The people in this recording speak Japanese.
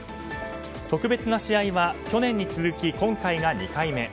特別な試合は去年に続き今回が２回目。